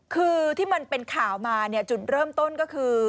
คือที่มันเป็นข่าวมาเนี่ยจุดเริ่มต้นก็คือ